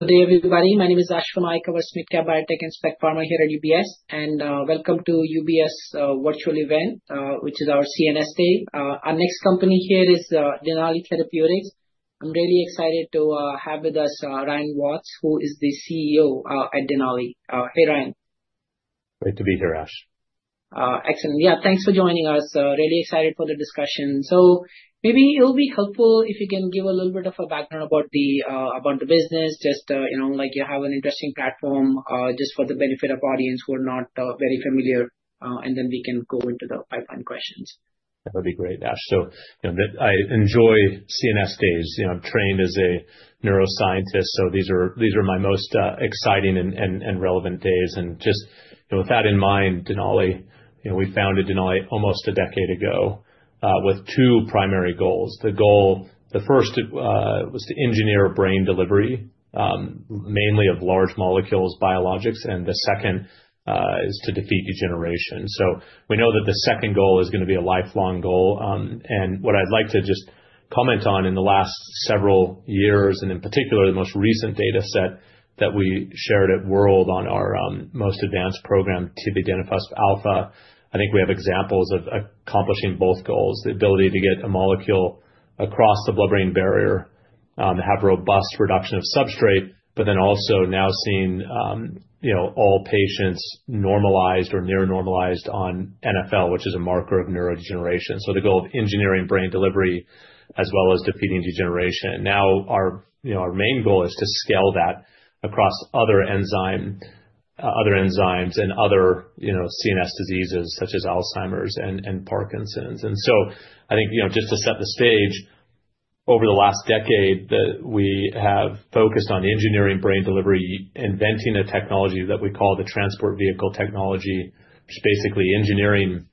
Good day, everybody. My name is Ash Verma, I cover SMID cap biotech and spec pharma here at UBS, and welcome to UBS virtual event, which is our CNS Day. Our next company here is Denali Therapeutics. I'm really excited to have with us Ryan Watts, who is the CEO at Denali. Hey, Ryan. Great to be here, Ash. Excellent. Yeah, thanks for joining us. Really excited for the discussion. Maybe it'll be helpful if you can give a little bit of a background about the business, just like you have an interesting platform just for the benefit of the audience who are not very familiar, and then we can go into the pipeline questions. That'd be great, Ash. I enjoy CNS days. I'm trained as a neuroscientist, so these are my most exciting and relevant days. Just with that in mind, Denali, we founded Denali almost a decade ago with two primary goals. The first was to engineer brain delivery, mainly of large molecules, biologics, and the second is to defeat degeneration. We know that the second goal is going to be a lifelong goal. What I'd like to just comment on in the last several years, and in particular, the most recent data set that we shared at WORLD on our most advanced program, DNL310, I think we have examples of accomplishing both goals: the ability to get a molecule across the blood-brain barrier, have robust reduction of substrate, but then also now seeing all patients normalized or near-normalized on NfL, which is a marker of neurodegeneration. The goal of engineering brain delivery as well as defeating degeneration. Now our main goal is to scale that across other enzymes and other CNS diseases such as Alzheimer's and Parkinson's. I think just to set the stage, over the last decade, we have focused on engineering brain delivery, inventing a technology that we call the transport vehicle technology, which is basically engineering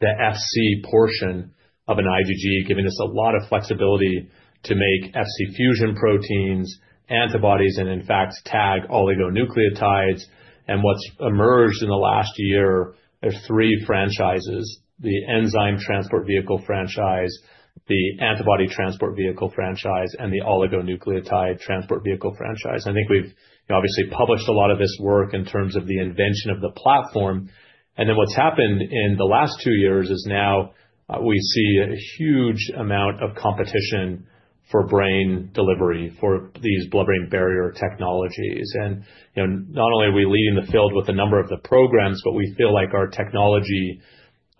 the Fc portion of an IgG, giving us a lot of flexibility to make Fc fusion proteins, antibodies, and in fact, tag oligonucleotides. What's emerged in the last year are three franchises: the enzyme transport vehicle franchise, the antibody transport vehicle franchise, and the oligonucleotide transport vehicle franchise. I think we've obviously published a lot of this work in terms of the invention of the platform. What's happened in the last two years is now we see a huge amount of competition for brain delivery for these blood-brain barrier technologies. Not only are we leading the field with a number of the programs, but we feel like our technology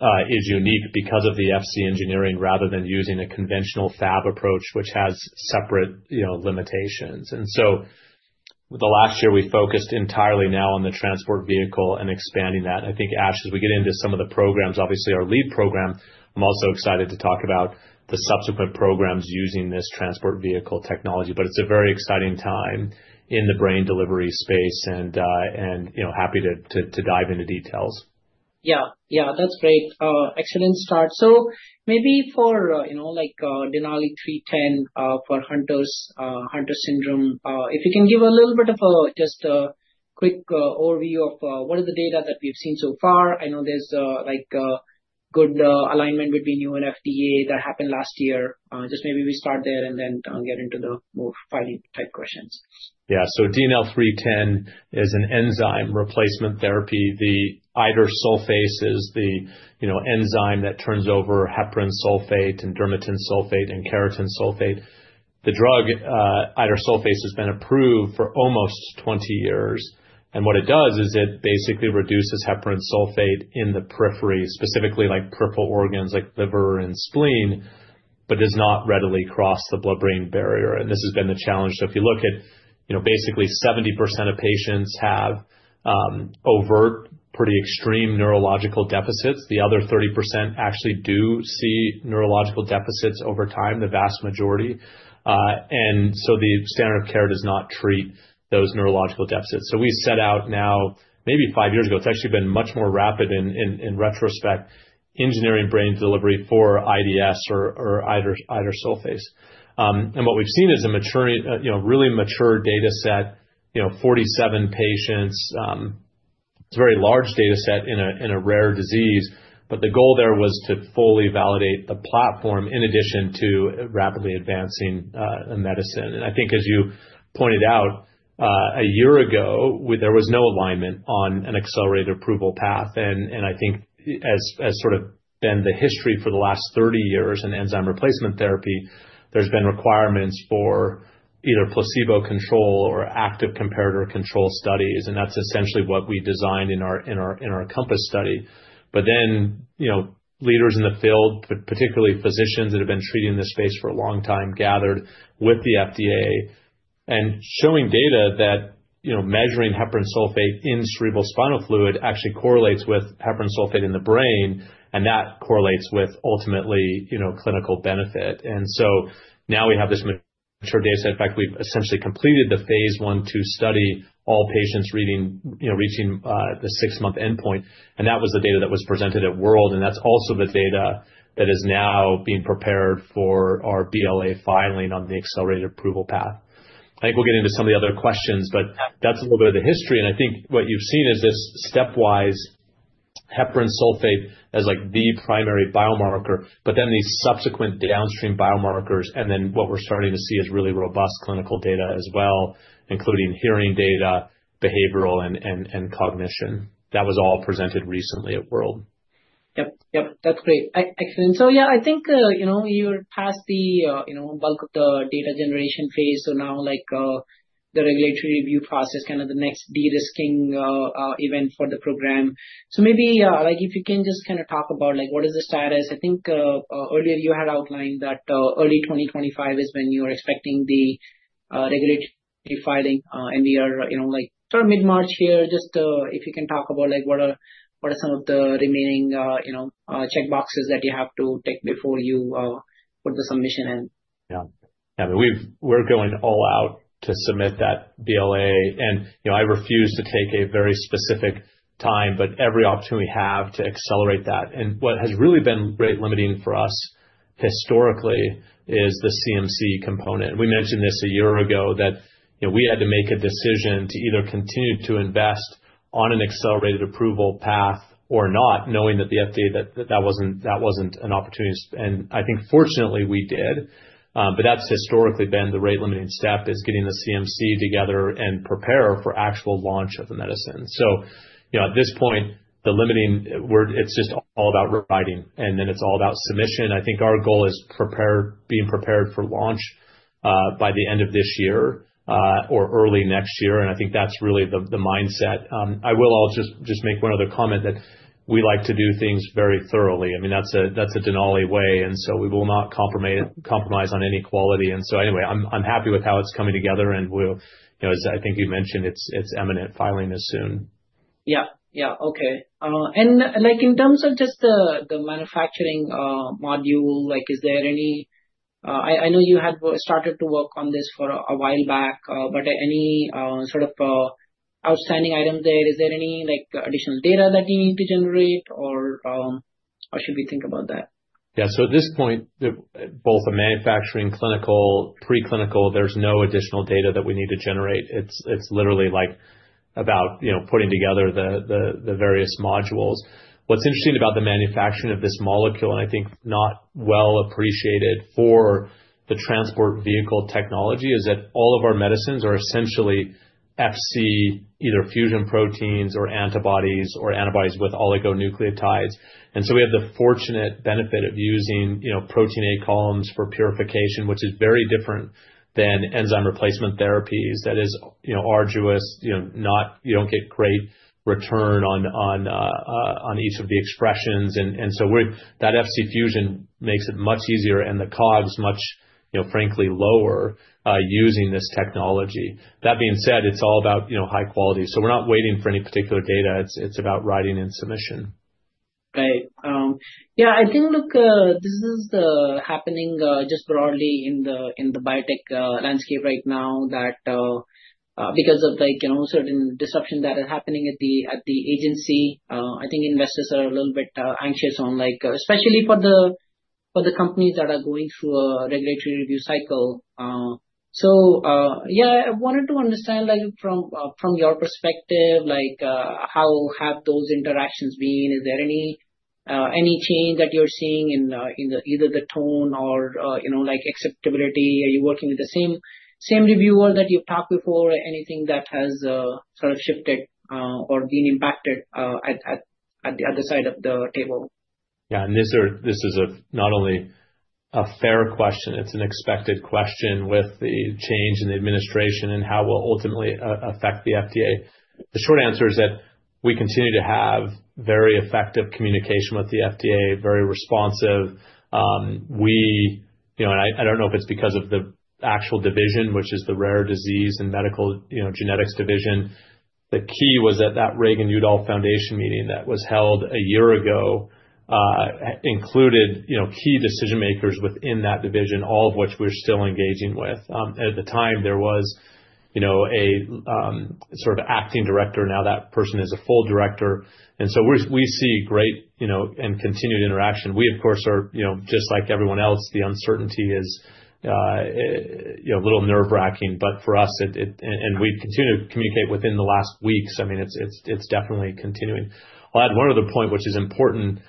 is unique because of the Fc engineering rather than using a conventional Fab approach, which has separate limitations. In the last year, we focused entirely now on the transport vehicle and expanding that. I think, Ash, as we get into some of the programs, obviously our lead program, I'm also excited to talk about the subsequent programs using this transport vehicle technology, but it's a very exciting time in the brain delivery space and happy to dive into details. Yeah, yeah, that's great. Excellent start. Maybe for DNL310 for Hunter syndrome, if you can give a little bit of just a quick overview of what are the data that we've seen so far. I know there's good alignment between you and FDA that happened last year. Just maybe we start there and then get into the more fighting type questions. Yeah. DNL310 is an enzyme replacement therapy. The IDS enzyme is the enzyme that turns over heparan sulfate and dermatan sulfate and keratan sulfate. The drug idursulfase has been approved for almost 20 years. What it does is it basically reduces heparan sulfate in the periphery, specifically peripheral organs like liver and spleen, but does not readily cross the blood-brain barrier. This has been the challenge. If you look at basically 70% of patients have overt, pretty extreme neurological deficits. The other 30% actually do see neurological deficits over time, the vast majority. The standard of care does not treat those neurological deficits. We set out now, maybe five years ago, it's actually been much more rapid in retrospect, engineering brain delivery for IDS or idursulfase. What we've seen is a really mature data set, 47 patients. It's a very large data set in a rare disease, but the goal there was to fully validate the platform in addition to rapidly advancing medicine. I think as you pointed out, a year ago, there was no alignment on an accelerated approval path. I think as sort of been the history for the last 30 years in enzyme replacement therapy, there's been requirements for either placebo control or active comparator control studies. That's essentially what we designed in our COMPASS study. Leaders in the field, particularly physicians that have been treating this space for a long time, gathered with the FDA and showing data that measuring heparan sulfate in cerebral spinal fluid actually correlates with heparan sulfate in the brain, and that correlates with ultimately clinical benefit. Now we have this mature data set. In fact, we've essentially completed the Phase 1/2 study all patients reaching the six-month endpoint. That was the data that was presented at World. That is also the data that is now being prepared for our BLA filing on the accelerated approval path. I think we'll get into some of the other questions, but that's a little bit of the history. I think what you've seen is this stepwise heparan sulfate as the primary biomarker, but then these subsequent downstream biomarkers, and then what we're starting to see is really robust clinical data as well, including hearing data, behavioral, and cognition. That was all presented recently at World. Yep, yep. That's great. Excellent. Yeah, I think you're past the bulk of the data generation phase. Now the regulatory review process, kind of the next derisking event for the program. Maybe if you can just kind of talk about what is the status. I think earlier you had outlined that early 2025 is when you are expecting the regulatory filing, and we are sort of mid-March here. Just if you can talk about what are some of the remaining checkboxes that you have to take before you put the submission in. Yeah. Yeah, we're going all out to submit that BLA. I refuse to take a very specific time, but every opportunity we have to accelerate that. What has really been rate limiting for us historically is the CMC component. We mentioned this a year ago that we had to make a decision to either continue to invest on an accelerated approval path or not, knowing that the FDA that wasn't an opportunity. I think fortunately we did, but that's historically been the rate limiting step is getting the CMC together and prepare for actual launch of the medicine. At this point, the limiting, it's just all about writing, and then it's all about submission. I think our goal is being prepared for launch by the end of this year or early next year. I think that's really the mindset. I will just make one other comment that we like to do things very thoroughly. I mean, that's a Denali way, and we will not compromise on any quality. Anyway, I'm happy with how it's coming together. As I think you mentioned, it's imminent filing this soon. Yeah, yeah. Okay. In terms of just the manufacturing module, is there any—I know you had started to work on this for a while back, but any sort of outstanding items there? Is there any additional data that you need to generate, or should we think about that? Yeah. At this point, both a manufacturing, clinical, preclinical, there's no additional data that we need to generate. It's literally about putting together the various modules. What's interesting about the manufacturing of this molecule, and I think not well appreciated for the transport vehicle technology, is that all of our medicines are essentially Fc, either fusion proteins or antibodies or antibodies with oligonucleotides. We have the fortunate benefit of using protein A columns for purification, which is very different than enzyme replacement therapies that is arduous. You don't get great return on each of the expressions. That Fc fusion makes it much easier, and the COG is much, frankly, lower using this technology. That being said, it's all about high quality. We're not waiting for any particular data. It's about writing and submission. Right. Yeah. I think this is happening just broadly in the biotech landscape right now that because of certain disruption that is happening at the agency, I think investors are a little bit anxious on, especially for the companies that are going through a regulatory review cycle. Yeah, I wanted to understand from your perspective, how have those interactions been? Is there any change that you're seeing in either the tone or acceptability? Are you working with the same reviewer that you've talked before? Anything that has sort of shifted or been impacted at the other side of the table? Yeah. This is not only a fair question. It's an expected question with the change in the administration and how it will ultimately affect the FDA. The short answer is that we continue to have very effective communication with the FDA, very responsive. I don't know if it's because of the actual division, which is the rare disease and medical genetics division. The key was at that Reagan Udall Foundation meeting that was held a year ago, included key decision-makers within that division, all of which we're still engaging with. At the time, there was a sort of acting director. Now that person is a full director. We see great and continued interaction. We, of course, are just like everyone else. The uncertainty is a little nerve-wracking, but for us, and we've continued to communicate within the last weeks. I mean, it's definitely continuing. I'll add one other point, which is important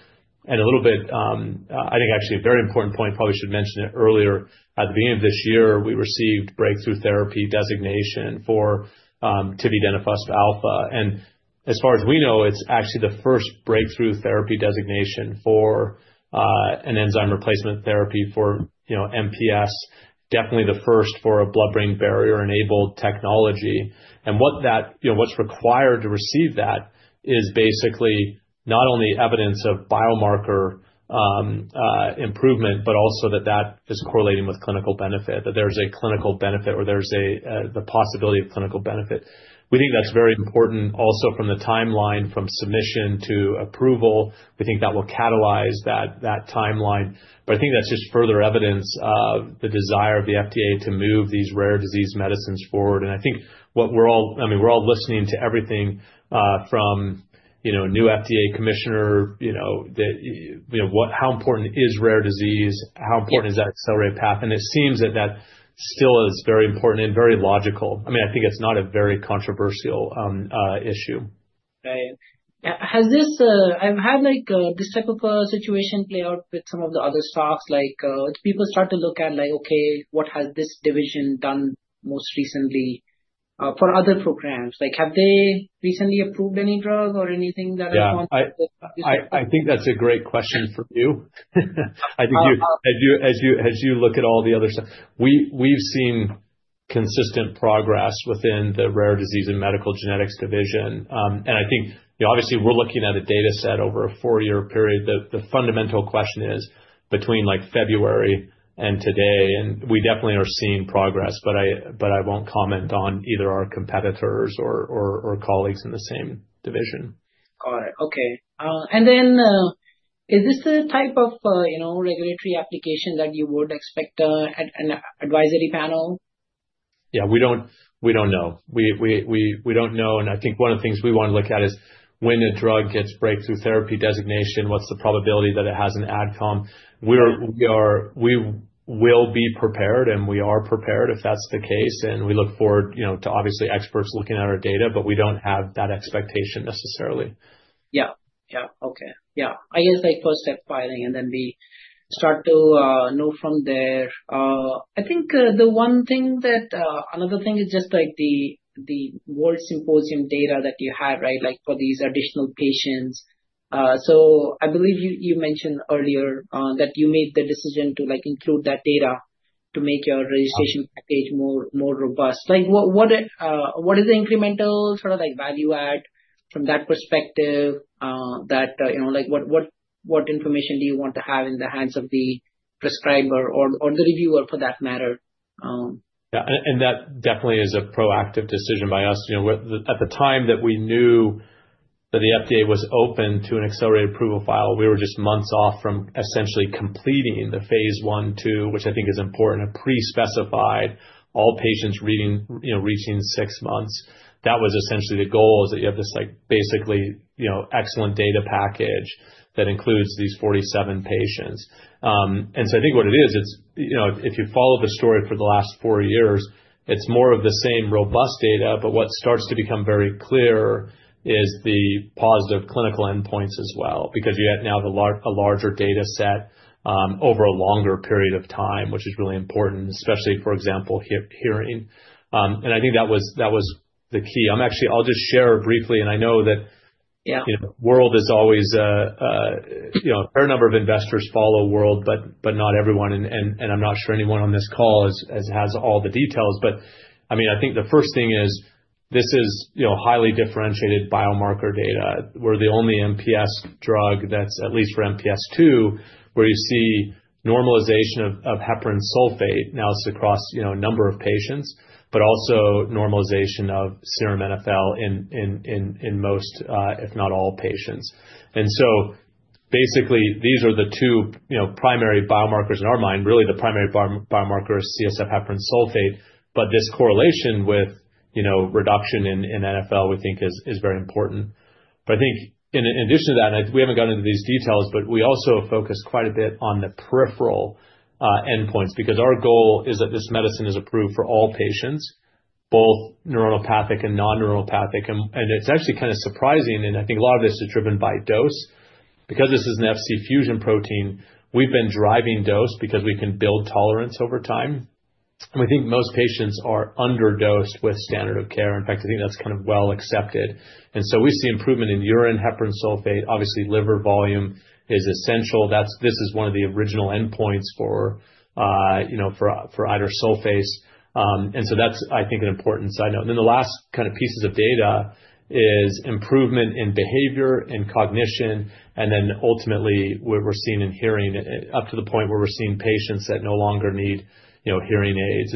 and a little bit, I think actually a very important point, probably should mention it earlier. At the beginning of this year, we received breakthrough therapy designation for tividenofusp alfa. As far as we know, it's actually the first breakthrough therapy designation for an enzyme replacement therapy for MPS, definitely the first for a blood-brain barrier-enabled technology. What's required to receive that is basically not only evidence of biomarker improvement, but also that that is correlating with clinical benefit, that there's a clinical benefit or there's the possibility of clinical benefit. We think that's very important also from the timeline from submission to approval. We think that will catalyze that timeline. I think that's just further evidence of the desire of the FDA to move these rare disease medicines forward. I think what we're all, I mean, we're all listening to everything from new FDA commissioner, how important is rare disease, how important is that accelerated path? It seems that that still is very important and very logical. I mean, I think it's not a very controversial issue. Right. I've had this type of situation play out with some of the other stocks. People start to look at, okay, what has this division done most recently for other programs? Have they recently approved any drug or anything that I want to? Yeah. I think that's a great question for you. I think as you look at all the other stuff, we've seen consistent progress within the rare disease and medical genetics division. I think obviously we're looking at a data set over a four-year period. The fundamental question is between February and today, and we definitely are seeing progress, but I won't comment on either our competitors or colleagues in the same division. Got it. Okay. Is this the type of regulatory application that you would expect an advisory panel? Yeah, we don't know. We don't know. I think one of the things we want to look at is when a drug gets breakthrough therapy designation, what's the probability that it has an adcom? We will be prepared, and we are prepared if that's the case. We look forward to obviously experts looking at our data, but we don't have that expectation necessarily. Yeah. Yeah. Okay. Yeah. I guess first step filing and then we start to know from there. I think the one thing that another thing is just the World Symposium data that you have, right, for these additional patients. I believe you mentioned earlier that you made the decision to include that data to make your registration package more robust. What is the incremental sort of value add from that perspective? What information do you want to have in the hands of the prescriber or the reviewer for that matter? Yeah. That definitely is a proactive decision by us. At the time that we knew that the FDA was open to an accelerated approval file, we were just months off from essentially completing the phase one to, which I think is important, a pre-specified all patients reaching six months. That was essentially the goal is that you have this basically excellent data package that includes these 47 patients. I think what it is, if you follow the story for the last four years, it is more of the same robust data, but what starts to become very clear is the positive clinical endpoints as well because you have now a larger data set over a longer period of time, which is really important, especially, for example, hearing. I think that was the key. I'll just share briefly, and I know that World is always a fair number of investors follow World, but not everyone. I'm not sure anyone on this call has all the details. I mean, I think the first thing is this is highly differentiated biomarker data. We're the only MPS drug that's, at least for MPS2, where you see normalization of heparan sulfate now across a number of patients, but also normalization of serum NFL in most, if not all, patients. Basically, these are the two primary biomarkers in our mind. Really, the primary biomarker is CSF heparan sulfate, but this correlation with reduction in NFL we think is very important. I think in addition to that, and we have not gotten into these details, we also focus quite a bit on the peripheral endpoints because our goal is that this medicine is approved for all patients, both neuronopathic and non-neuronopathic. It is actually kind of surprising. I think a lot of this is driven by dose. Because this is an Fc fusion protein, we have been driving dose because we can build tolerance over time. We think most patients are underdosed with standard of care. In fact, I think that is kind of well accepted. We see improvement in urine heparan sulfate. Obviously, liver volume is essential. This is one of the original endpoints for idursulfase. That is, I think, an important side note. The last kind of pieces of data is improvement in behavior and cognition, and then ultimately what we're seeing in hearing up to the point where we're seeing patients that no longer need hearing aids.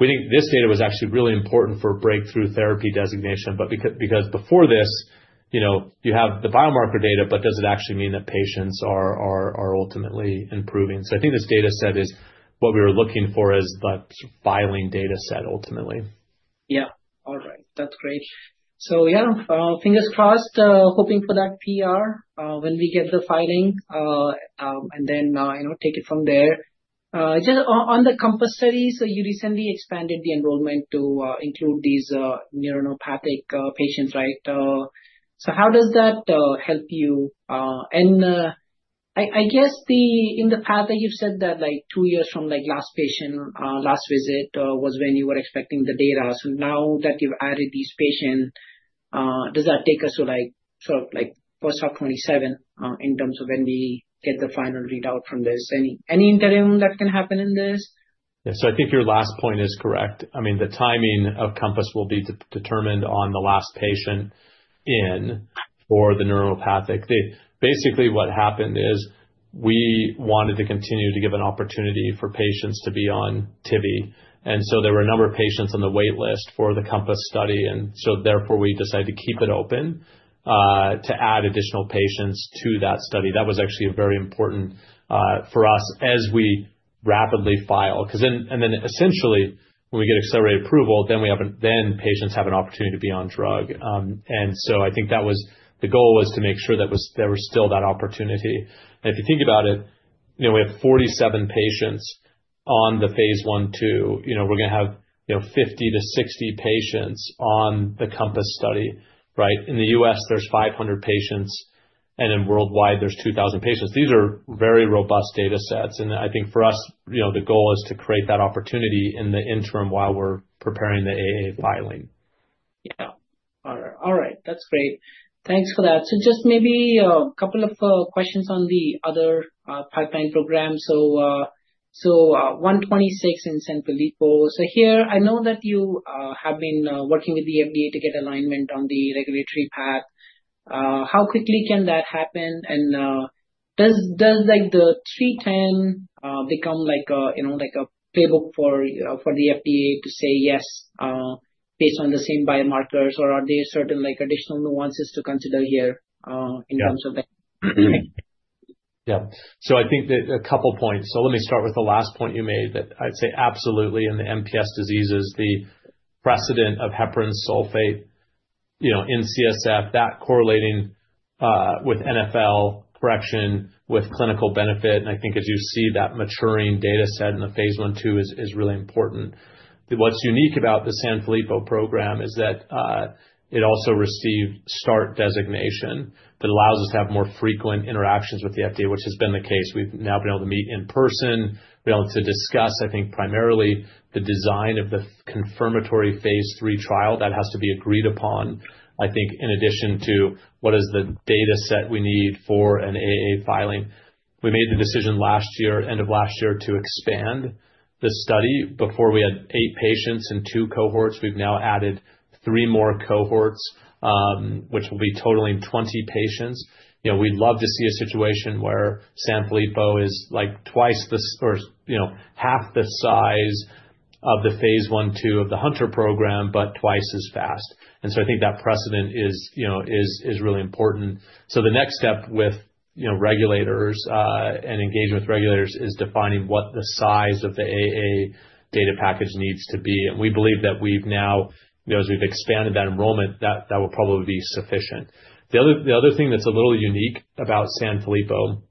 We think this data was actually really important for breakthrough therapy designation, because before this, you have the biomarker data, but does it actually mean that patients are ultimately improving? I think this data set is what we were looking for, is the filing data set ultimately. Yeah. All right. That's great. Yeah, fingers crossed, hoping for that PR when we get the filing and then take it from there. Just on the COMPASS studies, you recently expanded the enrollment to include these neuronopathic patients, right? How does that help you? I guess in the past, you've said that two years from last visit was when you were expecting the data. Now that you've added these patients, does that take us to sort of post-hoc 2027 in terms of when we get the final readout from this? Any interim that can happen in this? Yeah. I think your last point is correct. I mean, the timing of COMPASS will be determined on the last patient in for the neuronopathic. Basically, what happened is we wanted to continue to give an opportunity for patients to be on tivi. There were a number of patients on the waitlist for the COMPASS study. Therefore, we decided to keep it open to add additional patients to that study. That was actually very important for us as we rapidly file. Essentially, when we get accelerated approval, patients have an opportunity to be on drug. I think the goal was to make sure that there was still that opportunity. If you think about it, we have 47 patients on the phase one to. We are going to have 50-60 patients on the COMPASS study, right? In the U.S., there's 500 patients, and then worldwide, there's 2,000 patients. These are very robust data sets. I think for us, the goal is to create that opportunity in the interim while we're preparing the AA filing. Yeah. All right. That's great. Thanks for that. Just maybe a couple of questions on the other pipeline program. 126 in Sanfilippo. Here, I know that you have been working with the FDA to get alignment on the regulatory path. How quickly can that happen? Does the 310 become a playbook for the FDA to say yes based on the same biomarkers, or are there certain additional nuances to consider here in terms of? Yeah. I think that a couple of points. Let me start with the last point you made that I'd say absolutely in the MPS diseases, the precedent of heparan sulfate in CSF, that correlating with NFL, correction with clinical benefit. I think as you see that maturing data set in the phase one two is really important. What's unique about the Sanfilippo program is that it also received START designation that allows us to have more frequent interactions with the FDA, which has been the case. We've now been able to meet in person, been able to discuss, I think, primarily the design of the confirmatory Phase 3 trial. That has to be agreed upon, I think, in addition to what is the data set we need for an AA filing. We made the decision last year, end of last year, to expand the study. Before we had eight patients and two cohorts, we've now added three more cohorts, which will be totaling 20 patients. We'd love to see a situation where Sanfilippo is twice or half the size of the phase one two of the Hunter program, but twice as fast. I think that precedent is really important. The next step with regulators and engagement with regulators is defining what the size of the AA data package needs to be. We believe that we've now, as we've expanded that enrollment, that will probably be sufficient. The other thing that's a little unique about Sanfilippo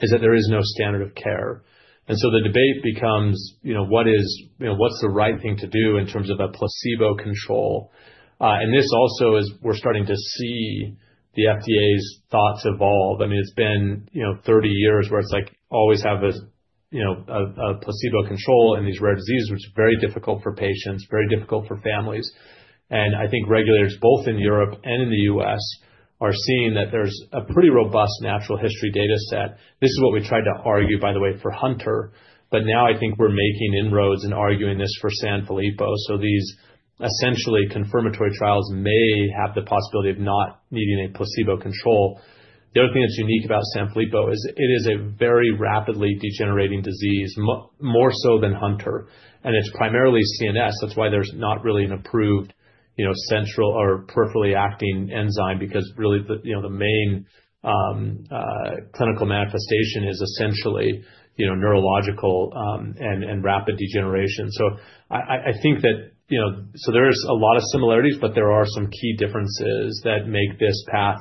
is that there is no standard of care. The debate becomes what's the right thing to do in terms of a placebo control. This also is we're starting to see the FDA's thoughts evolve. I mean, it's been 30 years where it's always have a placebo control in these rare diseases, which is very difficult for patients, very difficult for families. I think regulators, both in Europe and in the U.S., are seeing that there's a pretty robust natural history data set. This is what we tried to argue, by the way, for Hunter. Now I think we're making inroads and arguing this for Sanfilippo. These essentially confirmatory trials may have the possibility of not needing a placebo control. The other thing that's unique about Sanfilippo is it is a very rapidly degenerating disease, more so than Hunter. It's primarily CNS. That's why there's not really an approved central or peripherally acting enzyme because really the main clinical manifestation is essentially neurological and rapid degeneration. I think that there's a lot of similarities, but there are some key differences that make this path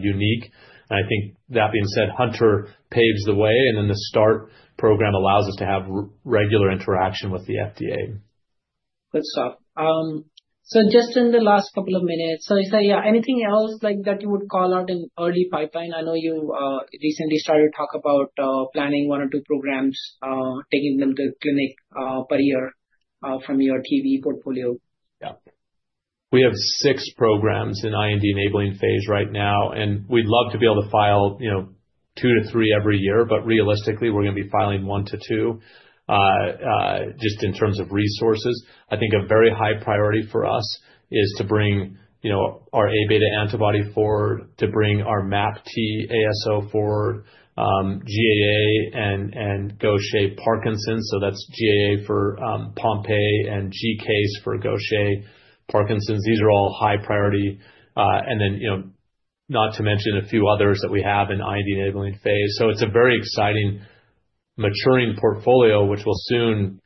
unique. I think that being said, Hunter paves the way, and then the START program allows us to have regular interaction with the FDA. Good stuff. Just in the last couple of minutes, I say, yeah, anything else that you would call out in early pipeline? I know you recently started to talk about planning one or two programs, taking them to clinic per year from your TV portfolio. Yeah. We have six programs in IND enabling phase right now. We'd love to be able to file two to three every year, but realistically, we're going to be filing one to two just in terms of resources. I think a very high priority for us is to bring our Aβ antibody forward, to bring our MAPT ASO forward, GAA, and Gaucher Parkinson's. That is GAA for Pompe and GCase for Gaucher Parkinson's. These are all high priority. Not to mention a few others that we have in IND enabling phase. It is a very exciting maturing portfolio, which will soon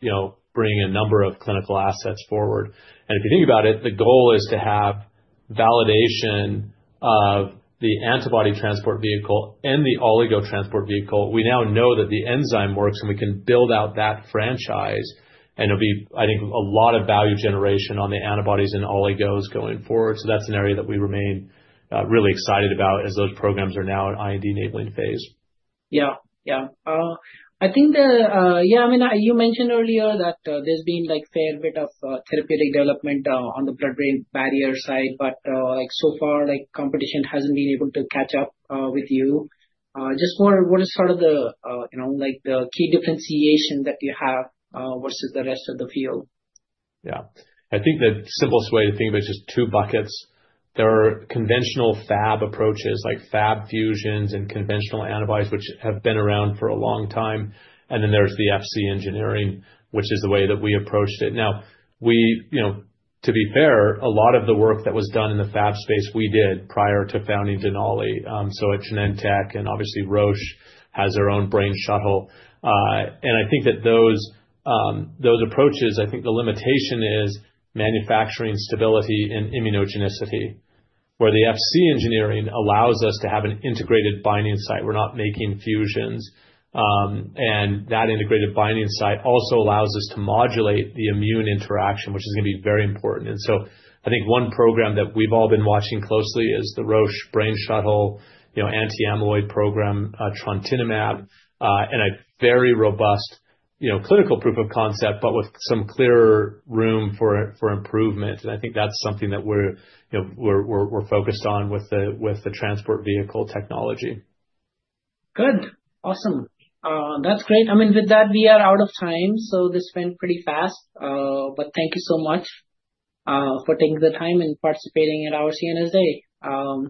bring a number of clinical assets forward. If you think about it, the goal is to have validation of the antibody transport vehicle and the oligo transport vehicle. We now know that the enzyme works, and we can build out that franchise. I think a lot of value generation on the antibodies and oligos going forward. That is an area that we remain really excited about as those programs are now in IND enabling phase. Yeah. Yeah. I think the yeah, I mean, you mentioned earlier that there's been a fair bit of therapeutic development on the blood-brain barrier side, but so far, competition hasn't been able to catch up with you. Just what is sort of the key differentiation that you have versus the rest of the field? Yeah. I think the simplest way to think of it is just two buckets. There are conventional Fab approaches like Fab fusions and conventional antibodies, which have been around for a long time. There is the Fc engineering, which is the way that we approached it. Now, to be fair, a lot of the work that was done in the Fab space, we did prior to founding Denali. At Genentech and obviously Roche has their own brain shuttle. I think that those approaches, I think the limitation is manufacturing stability and immunogenicity, where the Fc engineering allows us to have an integrated binding site. We're not making fusions. That integrated binding site also allows us to modulate the immune interaction, which is going to be very important. I think one program that we've all been watching closely is the Roche brain shuttle anti-amyloid program, trontinemab, and a very robust clinical proof of concept, but with some clearer room for improvement. I think that's something that we're focused on with the transport vehicle technology. Good. Awesome. That's great. I mean, with that, we are out of time. This went pretty fast. Thank you so much for taking the time and participating at our CNSA.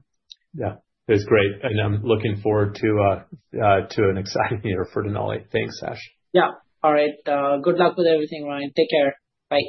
Yeah. It was great. I am looking forward to an exciting year for Denali. Thanks, Ash. Yeah. All right. Good luck with everything, Ryan. Take care. Bye.